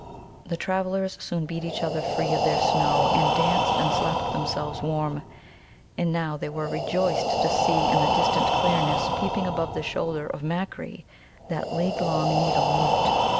The travellers soon beat each other free of their snow, and danced and slapped themselves warm. And now they were rejoiced to see in the distant clearness peeping above the shoulder of Makkri that league long needle Moot.